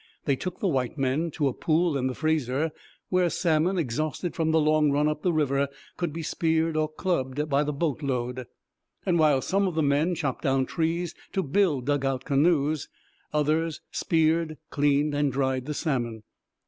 They took the white men to a pool in the Fraser, where salmon, exhausted from the long run up the river, could be speared or clubbed by the boat load. And while some of the men chopped down trees to build dugout canoes, others speared, cleaned, and dried the salmon.